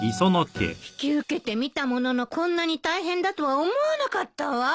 引き受けてみたもののこんなに大変だとは思わなかったわ。